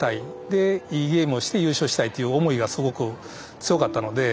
でいいゲームをして優勝したいという思いがすごく強かったので。